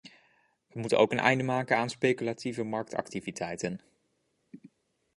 We moeten ook een einde maken aan speculatieve marktactiviteiten.